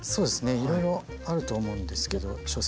いろいろあると思うんですけど諸説。